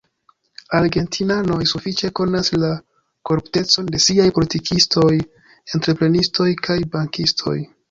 Argentinanoj sufiĉe konas la koruptecon de siaj politikistoj, entreprenistoj kaj bankistoj.